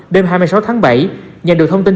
đêm hai mươi sáu tháng bảy nhận được thông tin